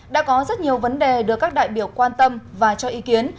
đã có rất nhiều vấn đề được các đại biểu quan tâm và cho ý kiến